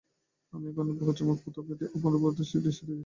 আমি এখানে বহু চমকপ্রদ এবং অপূর্ব দৃশ্যাদি দেখিয়াছি।